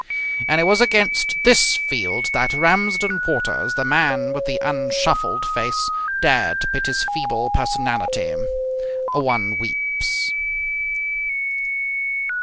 And it was against this field that Ramsden Waters, the man with the unshuffled face, dared to pit his feeble personality. One weeps.